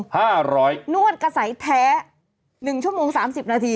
๕๐๐นิตยานวดกระส่ายแท้๑ชั่วโมง๓๐นาที